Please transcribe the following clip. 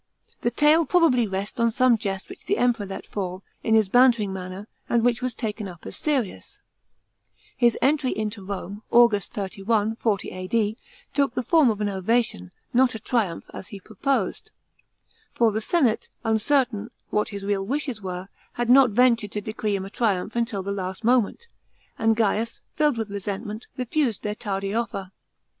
f The tale probably rests on some jest which the Emperor let fall, in his bantering manner, ai'd which was taken up as serious. His entry into Kome (August 31, 40 A.D.) took the form of an ovation, not a triumph as he proposed. For the senate, uncertain what his real wishes were, had not ventured to decree him a triumph until the last moment ; and Gains, filled with resentment, refused their tardy offer.